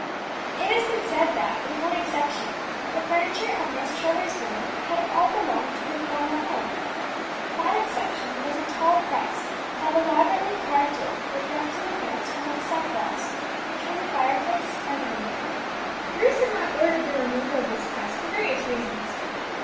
It has been said that, with one exception, the furniture of Miss Trevor's room had all belonged to her former home; that exception was a tall press of elaborately carved oak, which rested against one of the side walls, between the fireplace and the window. Bruce had not ordered the removal of this press for various reasons.